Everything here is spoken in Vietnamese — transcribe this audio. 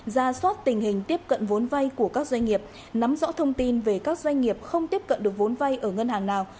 ra soát tình hình tiếp cận vốn vay của các doanh nghiệp nắm rõ thông tin về các doanh nghiệp không tiếp cận được vốn vay ở ngân hàng nào